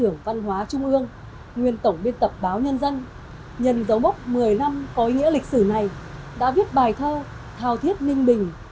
nguyên tổng biên tập báo nhân dân nhận dấu mốc một mươi năm có ý nghĩa lịch sử này đã viết bài thơ thào thiết ninh bình